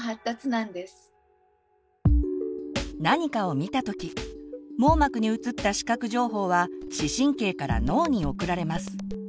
何かを見た時網膜にうつった視覚情報は視神経から脳に送られます。